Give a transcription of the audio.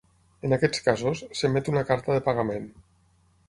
En aquests casos, s'emet una carta de pagament.